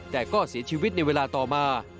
แต่ก็เสียชีวิตในเวลาต่อมา